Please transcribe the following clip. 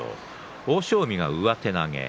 欧勝海が上手投げ。